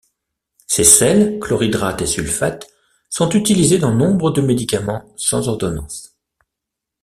Ses sels, chlorhydrate et sulfate sont utilisés dans nombre de médicaments sans ordonnance.